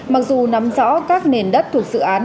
mặc dù nắm rõ các nền đất thuộc dự án